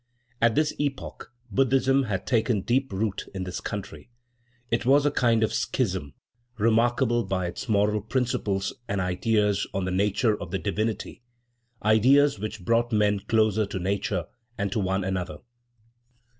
At this epoch, Buddhism had taken deep root in this country. It was a kind of schism, remarkable by its moral principles and ideas on the nature of the divinity ideas which brought men closer to nature and to one another.